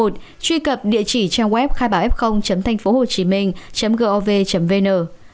một truy cập địa chỉ trang web khai báo f thanhphốhồchiminh gov vn